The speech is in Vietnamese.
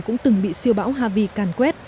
cũng từng bị siêu bão harvey càn quét